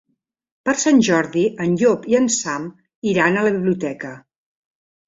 Per Sant Jordi en Llop i en Sam iran a la biblioteca.